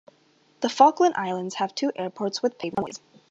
The Falkland Islands have two airports with paved runways.